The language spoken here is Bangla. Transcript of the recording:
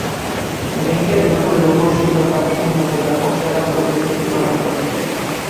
ব্যাংকের নতুন লোগো শীতলপাটি উন্নত গ্রাহক সেবার প্রতিশ্রুতি প্রদান করে।